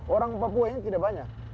orang papua ini tidak banyak